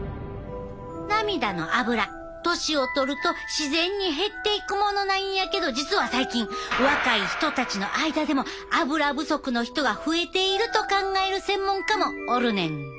涙のアブラ年を取ると自然に減っていくものなんやけど実は最近若い人たちの間でもアブラ不足の人が増えていると考える専門家もおるねん。